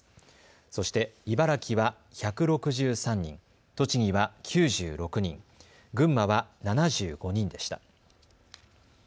そして茨城は１６３人、栃木は９６人、群馬は７５人でした。